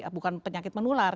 bukan penyakit menular